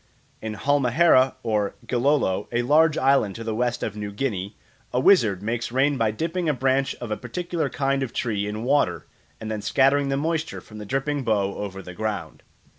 In Halmahera, or Gilolo, a large island to the west of New Guinea, a wizard makes rain by dipping a branch of a particular kind of tree in water and then scattering the moisture from the dripping bough over the ground.